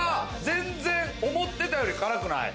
全然思ってたより辛くない。